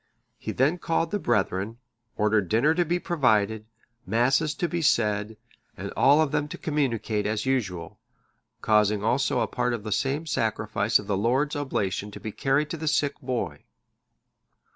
He then called the brethren, ordered dinner to be provided, Masses to be said, and all of them to communicate as usual; causing also a part of the same Sacrifice of the Lord's Oblation to be carried to the sick boy.